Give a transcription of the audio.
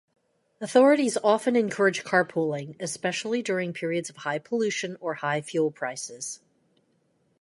Authorities often encourage carpooling, especially during periods of high pollution or high fuel prices.